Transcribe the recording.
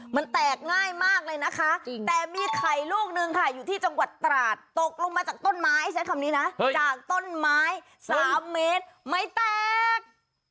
มันแตกง่ายมากเลยนะคะแต่มีไข่ลูกนึงค่ะอยู่ที่จังหวัดตราดตกลงมาจากต้นไม้ใช้คำนี้นะจากต้นไม้๓เมตรไม่แตก